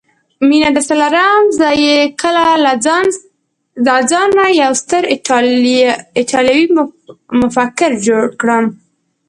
مینه درسره لرم، زه چې کله له ځانه یو ستر ایټالوي مفکر جوړ کړم.